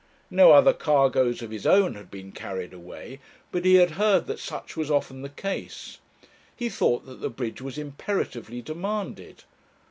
No other cargoes of his own had been carried away, but he had heard that such was often the case. He thought that the bridge was imperatively demanded.